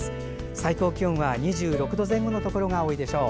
最高気温は２６度前後のところが多いでしょう。